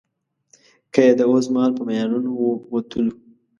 که يې د اوسمهال په معیارونو وتلو.